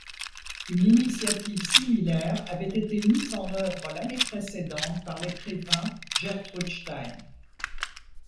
Une initiative similaire avait été mise en œuvre l'année précédente par l'écrivain Gertrude Stein.